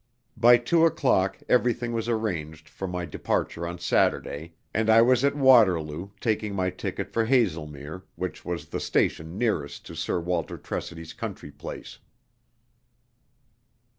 By two o'clock everything was arranged for my departure on Saturday, and I was at Waterloo, taking my ticket for Haslemere, which was the station nearest to Sir Walter Tressidy's country place.